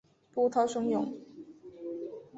波涛汹涌